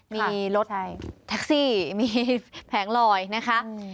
มีรถแท็กซี่มีแผงลอยนะคะ